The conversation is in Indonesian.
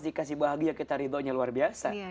dikasih bahagia kita ridhonya luar biasa